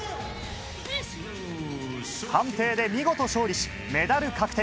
判定で見事勝利しメダル確定。